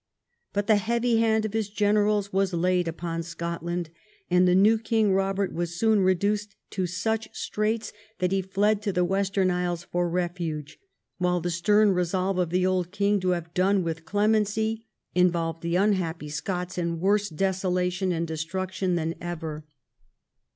But the heavy hand of his generals was laid upon Scotland, and the now King Robert was soon reduced to such straits that he fled to the Western Isles for refuge, while the stern resolve of the old king to have done with clemency involved the unhappy Scots in worse desolation and destruction than ever.